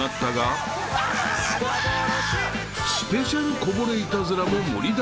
［スペシャルこぼれイタズラも盛りだくさん］